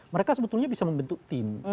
mereka sebetulnya bisa membentuk tim